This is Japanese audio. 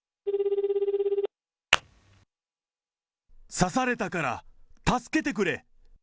刺されたから助けてくれ。